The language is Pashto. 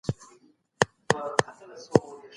هلک پر مځکي بېدېدی.